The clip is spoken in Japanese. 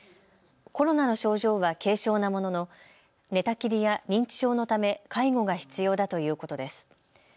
コロナの症状は軽症なものの寝たきりや認知症のため介護が必要だということです。